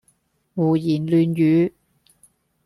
胡言亂語